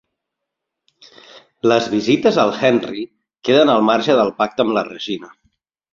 Les visites al Henry queden al marge del pacte amb la Regina.